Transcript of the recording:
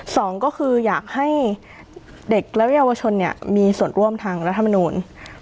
สองก็คืออยากให้เด็กและเยาวชนเนี่ยมีส่วนร่วมทางรัฐมนูล